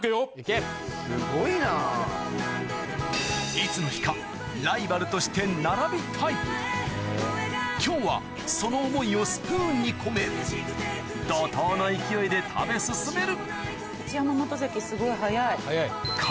いつの日かライバルとして並びたい今日はその思いをスプーンに込め怒濤の勢いで食べ進める一山本関すごい早い。